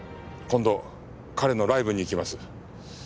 今度彼のライブに行きます。